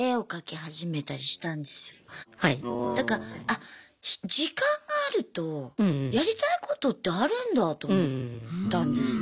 だから時間があるとやりたいことってあるんだあと思ったんですね。